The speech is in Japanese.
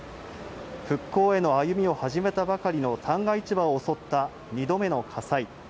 復興への歩みを始めたばかりの旦過市場を襲った２度目の火災。